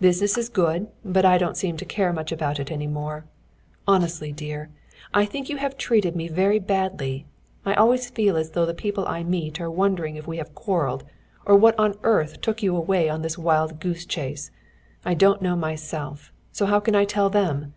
Business is good, but I don't seem to care much about it any more. Honestly, dear, I think you have treated me very badly. I always feel as though the people I meet are wondering if we have quarreled or what on earth took you away on this wild goose chase. I don't know myself, so how can I tell them?